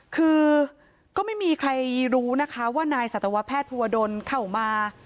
คือก็ไม่มีใครรู้นะคะว่านายสัตวแพทย์ภูวดลเข้ามา